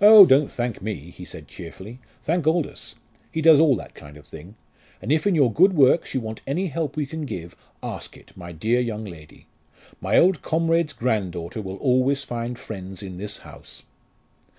"Oh, don't thank me!" he said cheerily. "Thank Aldous. He does all that kind of thing. And if in your good works you want any help we can give, ask it, my dear young lady. My old comrade's grand daughter will always find friends in this house."